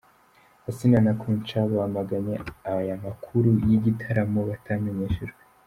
Asinah na Queen Cha bamaganye aya makuru y'igitaramo batamenyeshejwe.